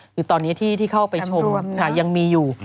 คือตอนนี้ที่ที่เข้าไปชมยังมีอยู่